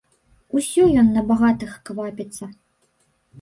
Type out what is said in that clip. Усё ён на багатых квапіцца.